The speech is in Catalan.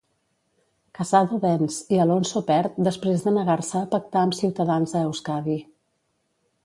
Casado venç i Alonso perd després de negar-se a pactar amb Ciutadans a Euskadi.